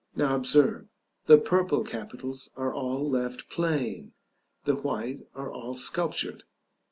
Now observe, the purple capitals are all left plain; the white are all sculptured.